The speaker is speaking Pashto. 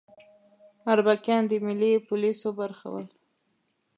اربکیان د ملي پولیسو برخه ول